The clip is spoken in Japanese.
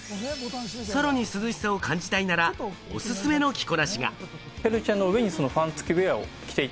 さらに涼しさを感じたいなら、おすすめの着こなしが。